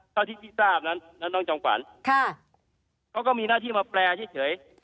เท่าที่พี่ทราบนั้นนะน้องจอมขวัญเขาก็มีหน้าที่มาแปลเฉย